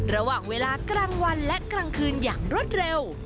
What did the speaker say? ระหว่างเวลากลางวันและกลางคืนอย่างรวดเร็ว